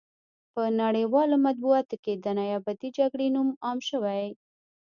په نړیوالو مطبوعاتو کې د نیابتي جګړې نوم عام شوی.